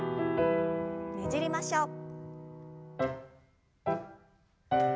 ねじりましょう。